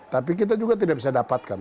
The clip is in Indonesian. tapi kita juga tidak bisa dapatkan